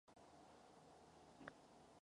Prochází dvěma kraji a třemi okresy.